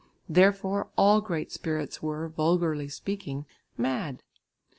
Therefore all great spirits were, vulgarly speaking, mad.